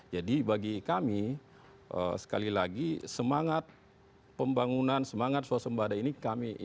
jadi bagi kami sekali lagi semangat pembangunan semangat swasbada ini kami inginkan